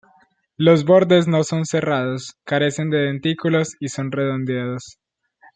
Los bordes no son serrados, carecen de dentículos y son redondeados.